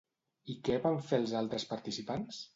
I què van fer els altres participants?